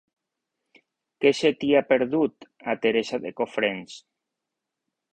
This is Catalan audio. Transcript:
Què se t'hi ha perdut, a Teresa de Cofrents?